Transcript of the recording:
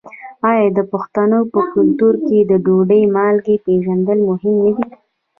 آیا د پښتنو په کلتور کې د ډوډۍ مالګه پیژندل مهم نه دي؟